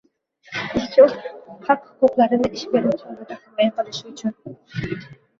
— ishchi o‘z haq-huquqlarini ish beruvchi oldida himoya qilish uchun